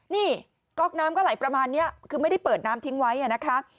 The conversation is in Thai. นี่ก๊อกน้ำก็ไหลประมาณนี้คือไม่ได้เปิดน้ำทิ้งไว้นะคะ